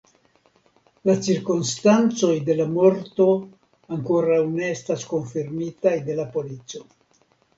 La cirkonstancoj de la morto ankoraŭ ne estas konfirmitaj de la polico.